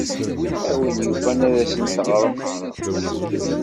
A win yufan ad asen-teɣrem.